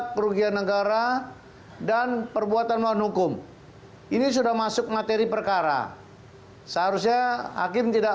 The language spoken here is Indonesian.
kerugian negara dan perbuatan melawan hukum ini sudah masuk materi perkara seharusnya hakim tidak